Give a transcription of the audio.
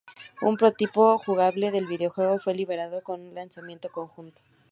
Un prototipo jugable del videojuego fue liberado con un lanzamiento conjunto.